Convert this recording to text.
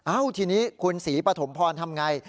อ้าวทีนี้คุณศรีปฐมพรทำอย่างไร